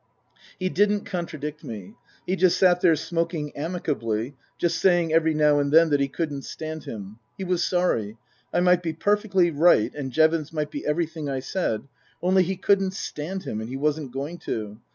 He didn't contradict me. He just sat there smoking amicably, just saying every now and then that he couldn't stand him ; he was sorry I might be perfectly right and Jevons might be everything I said only he couldn't stand him ; and he wasn't going to.